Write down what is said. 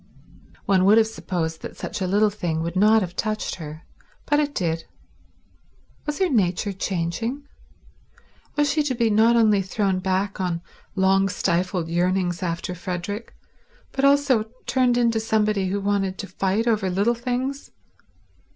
One would have supposed that such a little thing would not have touched her, but it did. Was her nature changing? Was she to be not only thrown back on long stifled yearnings after Frederick, but also turned into somebody who wanted to fight over little things?